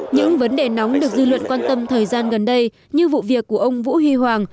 những vấn đề nóng được dư luận quan tâm thời gian gần đây như vụ việc của ông vũ huy hoàng